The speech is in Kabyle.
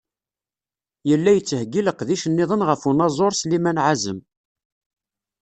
Yella yettheggi leqdic-nniḍen ɣef unaẓur Sliman Ɛazem.